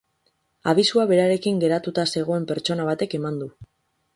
Abisua berarekin geratuta zegoen pertsona batek eman du.